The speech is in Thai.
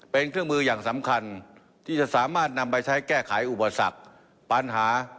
เป็นเครื่องมืออย่างสำคัญที่จะสามารถนำไปใช้แก้ไขอุปสรรคปัญหา